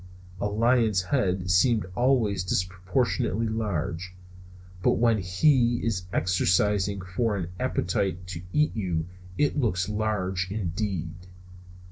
A lion's head seems always disproportionately large, but when he is exercising for an appetite to eat you it looks large indeed.